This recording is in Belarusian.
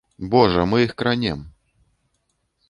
Божа, мы іх кранем.